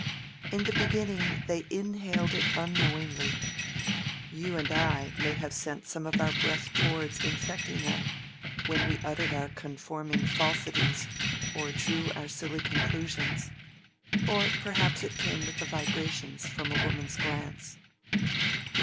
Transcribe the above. In the beginning they inhaled it unknowingly: you and I may have sent some of our breath towards infecting them, when we uttered our conforming falsities or drew our silly conclusions: or perhaps it came with the vibrations from a woman's glance.